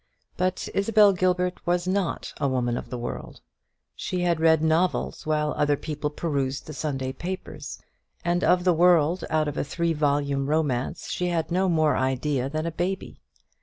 But Isabel Gilbert was not a woman of the world. She had read novels while other people perused the Sunday papers; and of the world out of a three volume romance she had no more idea than a baby.